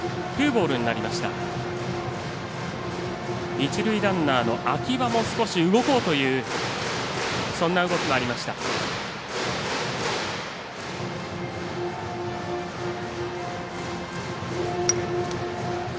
一塁ランナーの秋葉も少し動こうというそんな動きもありました。